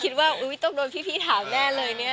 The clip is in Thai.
คิดว่าอุ๊ยต้องโดนพี่ถามแน่เลยเนี่ย